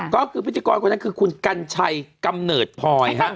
ก็คือพิธีกรคนนั้นคือคุณกัญชัยกำเนิดพลอย